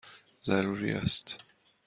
ضروری است!